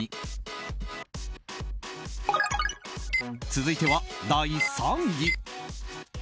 続いては第３位。